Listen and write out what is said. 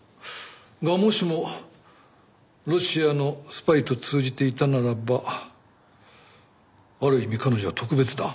がもしもロシアのスパイと通じていたならばある意味彼女は特別だ。